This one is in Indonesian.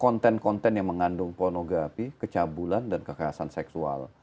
konten konten yang mengandung pornografi kecabulan dan kekerasan seksual